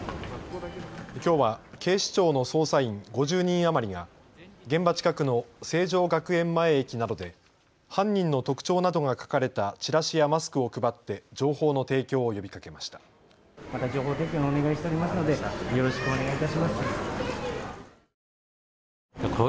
きょうは警視庁の捜査員５０人余りが現場近くの成城学園前駅などで犯人の特徴などが書かれたチラシやマスクを配って情報の提供を呼びかけました。